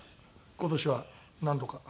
今年は何度か。